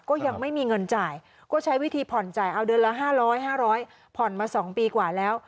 ก็ยังไม่มีเงินจ่ายก็ใช้วิธีผ่อนจ่ายเอาเดือนละ๕๐๐๕๐๐ผ่อนมา๒ปีกว่าแล้ว